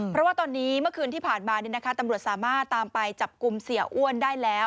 เพราะว่าตอนนี้เมื่อคืนที่ผ่านมาตำรวจสามารถตามไปจับกลุ่มเสียอ้วนได้แล้ว